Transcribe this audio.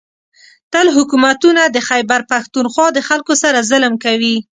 . تل حکومتونه د خېبر پښتونخوا د خلکو سره ظلم کوي